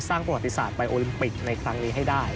สร้างประหลาดศาสตร์ไปโอลิมปิกในครั้งนี้ให้ได้